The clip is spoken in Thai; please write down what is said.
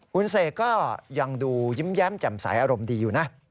คุณเสกก็ยังดูยิ้มแย้มแจ่มใสอารมณ์ดีอยู่นะ